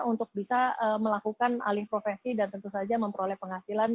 untuk bisa melakukan alih profesi dan tentu saja memperoleh penghasilan